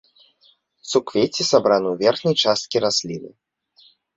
Суквецці сабраны ў верхняй часткі расліны.